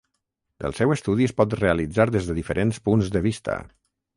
El seu estudi es pot realitzar des de diferents punts de vista.